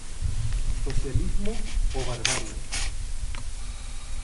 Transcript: Socialismo o barbarie.